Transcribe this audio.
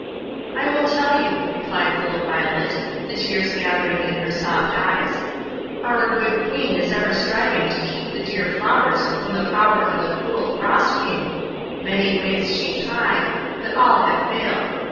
"I will tell you," replied little Violet, the tears gathering in her soft eyes. "Our good Queen is ever striving to keep the dear flowers from the power of the cruel Frost King; many ways she tried, but all have failed.